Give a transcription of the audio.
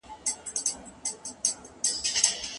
بازاريان به د ساعت اصلي قدر ونه پېژني.